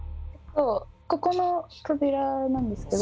ここの扉なんですけど。